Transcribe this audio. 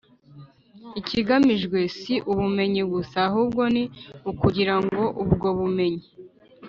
ikigamijwe si ubumenyi gusa ahubwo ni ukugira ngo ubwo bumenyi